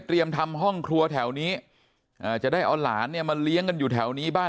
ทำห้องครัวแถวนี้จะได้เอาหลานเนี่ยมาเลี้ยงกันอยู่แถวนี้บ้าน